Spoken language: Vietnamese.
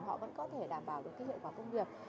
họ vẫn có thể đảm bảo được cái hiệu quả công việc